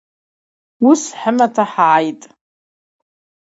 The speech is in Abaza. Уыс хӏымата хӏгӏайтӏ.